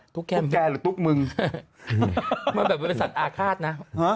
ตุ๊กแก่หรือมันแบบเป็นสัตว์อาฆาตนะ